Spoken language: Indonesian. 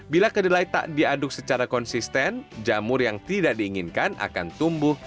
bila kedelai tak diaduk secara konsisten jamur yang tidak diinginkan akan tumbuh